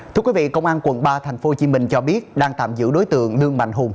thưa quý vị công an quận ba tp hcm cho biết đang tạm giữ đối tượng lương mạnh hùng